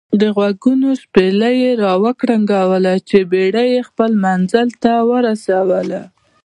دغوږونو شپېلۍ را کرنګوله چې بېړۍ خپل منزل ته ورسول.